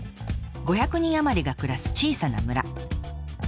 ５００人余りが暮らす小さな村。